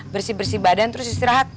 bersih bersih badan terus istirahat